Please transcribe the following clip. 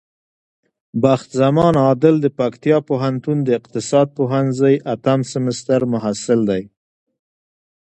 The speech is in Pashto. بخت زمان عادل د پکتيا پوهنتون د اقتصاد پوهنځی اتم سمستر محصل دی.